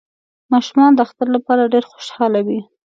ماشومان د اختر لپاره ډیر خوشحاله وی